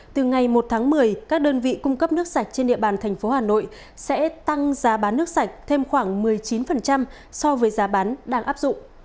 từ ngày một tháng một mươi các đơn vị cung cấp nước sạch trên địa bàn thành phố hà nội sẽ tăng giá bán nước sạch thêm khoảng một mươi chín so với giá bán đang áp dụng